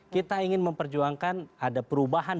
kita ingin memperjuangkan ada perubahan